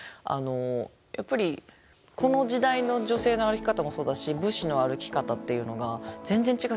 やっぱりこの時代の女性の歩き方もそうだし武士の歩き方っていうのが全然違うっていうか